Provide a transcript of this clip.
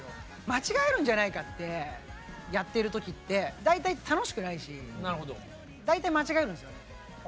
間違えるんじゃないかってやってる時って大体楽しくないし大体間違えるんですよね。